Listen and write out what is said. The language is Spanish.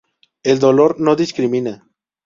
El dolor no discrimina.